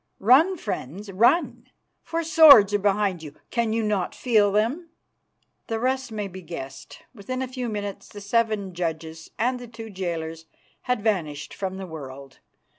Run, friends, run, for swords are behind you. Can you not feel them?" The rest may be guessed. Within a few minutes the seven judges and the two jailers had vanished from the world.